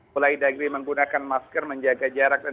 mulai dari menggunakan masker menjaga jarak dan menjaga kemampuan tubuh